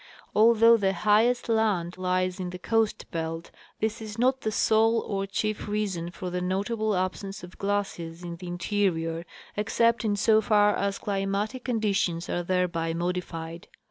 Although the high est land lies in the coast belt, this is not the sole or chief reason for the notable absence of glaciers in the interior, excejjt in so far as climatic conditions are thereby modified.